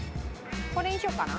これにしようかな。